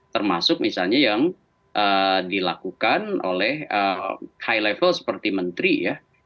termasuk misalnya yang dilakukan oleh high level seperti menteri ya